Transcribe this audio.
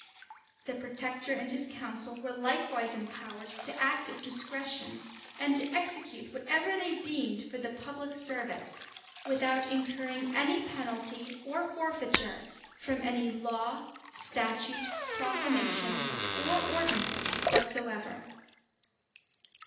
The protector and his council were likewise empowered to act at discretion, and to execute whatever they deemed for the public service, without incurring any penalty or forfeiture from any law, statute, proclamation, or ordinance whatsoever.